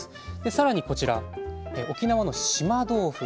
さらにこちら沖縄の島豆腐。